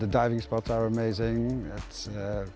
tempat mengeksplorasi ini sangat bagus